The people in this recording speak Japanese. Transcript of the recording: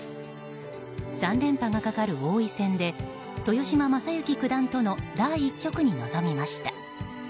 ３連覇がかかる王位戦で豊島将之九段との第１局に臨みました。